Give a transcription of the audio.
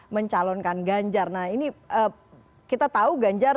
mencalonkan ganjar nah ini kita tahu ganjar